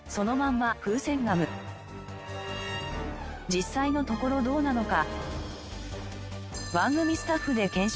実際のところどうなのか？